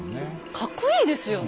かっこいいですよね。